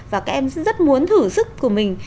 và các em rất muốn thử sức của mình